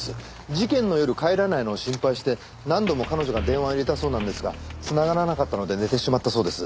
事件の夜帰らないのを心配して何度も彼女が電話を入れたそうなんですが繋がらなかったので寝てしまったそうです。